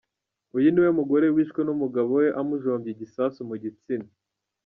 Uyu niwe mugore wishwe n’umugabo we amujombye igisasu mu gitsina.